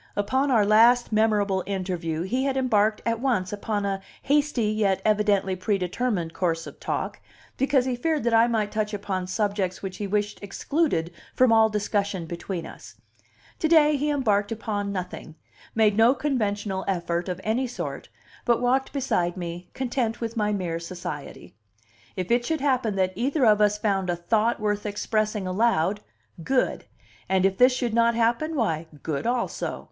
Upon our last memorable interview he had embarked at once upon a hasty yet evidently predetermined course of talk, because he feared that I might touch upon subjects which he wished excluded from all discussion between us; to day he embarked upon nothing, made no conventional effort of any sort, but walked beside me, content with my mere society; if it should happen that either of us found a thought worth expressing aloud, good! and if this should not happen, why, good also!